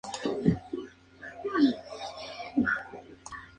Son enredaderas o lianas con látex incoloro; las ramas glabras o amarillentas.